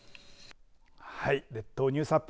はい、列島ニュースアップ